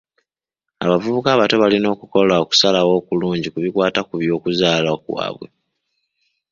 Abavubuka abato balina okukola okusalawo okulungi ku bikwata ku by'okuzaala kwabwe.